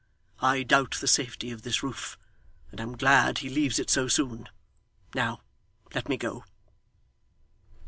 I doubt the safety of this roof, and am glad he leaves it so soon. Now, let me go.